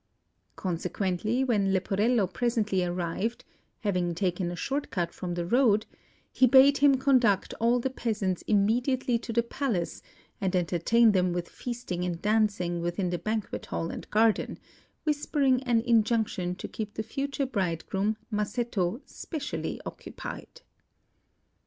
Consequently, when Leporello presently arrived (having taken a short cut from the road), he bade him conduct all the peasants immediately to the palace, and entertain them with feasting and dancing within the banquet hall and garden, whispering an injunction to keep the future bridegroom, Masetto, specially occupied.